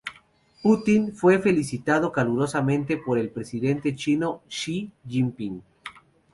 Putin fue felicitado calurosamente por el presidente chino Xi Jinping.